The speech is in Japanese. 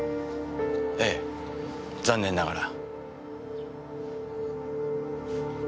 ええ残念ながら。